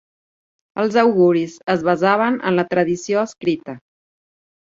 Els auguris es basaven en la tradició escrita.